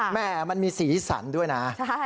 แม่มันมีสีสันด้วยนะ